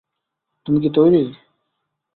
তুমি কি তৈরি?